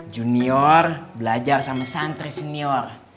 junior belajar sama santri senior